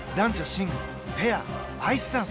シングルペアアイスダンス